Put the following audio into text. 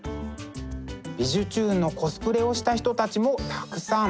「びじゅチューン！」のコスプレをした人たちもたくさん！